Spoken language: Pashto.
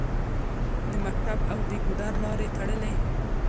د مکتب او د ګودر لارې تړلې